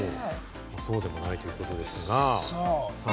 そうでもないということですが。